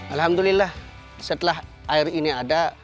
alhamdulillah setelah air ini ada